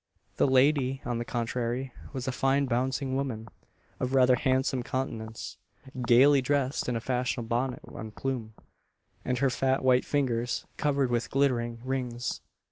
The lady, on the contrary, was a fine bouncing woman, of rather handsome countenance, gaily dressed in a fashionable bonnet and plume, and her fat white fingers covered with glittering rings.